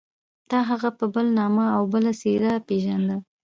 تا هغه په بل نامه او بله څېره پېژانده.